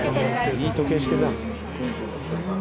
いい時計してるな。